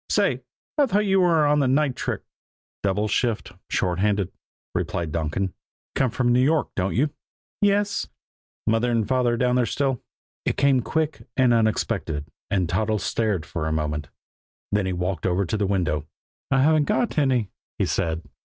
"Say, I thought you were on the night trick." "Double shift short handed," replied Donkin. "Come from New York, don't you?" "Yes," said Toddles. "Mother and father down there still?" It came quick and unexpected, and Toddles stared for a moment. Then he walked over to the window. "I haven't got any," he said.